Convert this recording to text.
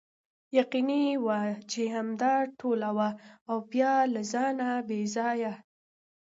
یقیني وه چې همدا ټوله وه او بیا له ځانه بې ځایه.